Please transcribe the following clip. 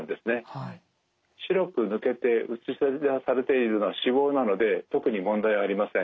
白く抜けて映し出されているのは脂肪なので特に問題はありません。